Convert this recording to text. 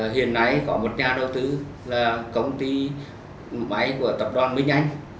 hiện nay có một nhà đầu tư là công ty máy của tập đoàn minh anh